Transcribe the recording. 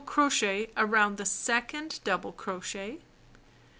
B crochet around the second double crochet.